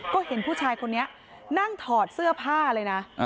ก็เห็นผู้ชายคนนี้นั่งถอดเสื้อผ้าเลยนะ